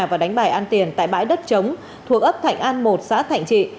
và đánh bài ăn tiền tại bãi đất trống thuộc ấp thành an một xã thành trị